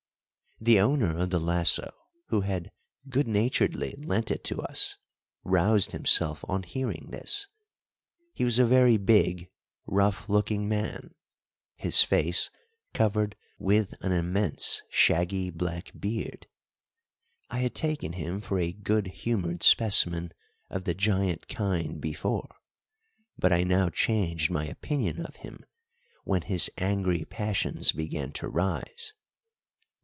The owner of the lasso, who had good naturedly lent it to us, roused himself on hearing this. He was a very big, rough looking man, his face covered with an immense shaggy black beard. I had taken him for a good humoured specimen of the giant kind before, but I now changed my opinion of him when his angry passions began to rise.